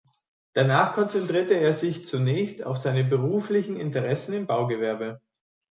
Danach konzentrierte er sich zunächst auf seine beruflichen Interessen im Baugewerbe.